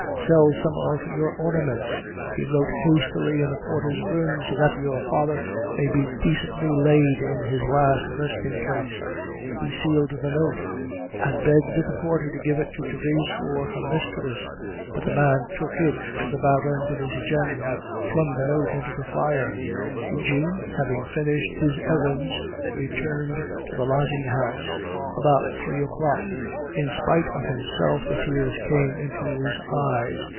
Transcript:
"Sell some of your ornaments," he wrote hastily in the porter's room, "so that your father may be decently laid in his last resting place." He sealed the note, and begged the porter to give it to Therese for her mistress; but the man took it to the Baron de Nucingen, who flung the note into the fire. Eugene, having finished his errands, returned to the lodging house about three o'clock. In spite of himself, the tears came into his eyes.